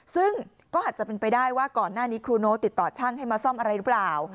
ซึ่งก็อาจจะเป็นไปได้ว่าก่อนหน้านี้ครูโน้ตติดต่อช่างให้มาซ่อมอะไรหรือเปล่า